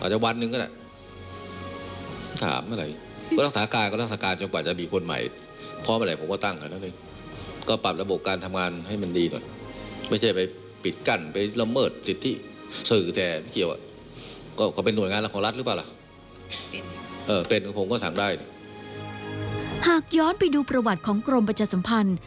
หากย้อนไปดูประวัติของกรมประชาสัมพันธ์